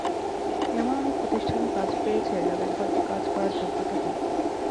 এমন অনেক প্রতিষ্ঠান কাজ পেয়েছে, যাদের হয়তো কাজ করার যোগ্যতা নেই।